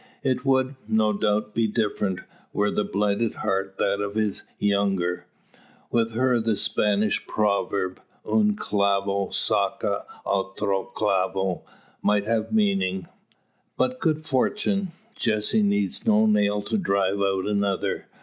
It would, no doubt, be different were the blighted heart that of his younger. With her the Spanish proverb, "un clavo saca otro clavo," might have meaning. By good fortune, Jessie needs no nail to drive out another.